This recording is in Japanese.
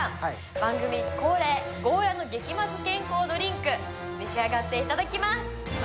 番組恒例ゴーヤの激マズ健康ドリンク召し上がっていただきます。